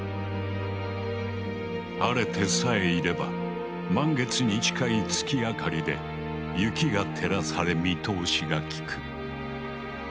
晴れてさえいれば満月に近い月明かりで雪が照らされ見通しが利く。